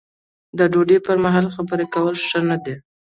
د ډوډۍ پر مهال خبرې کول ښه نه دي.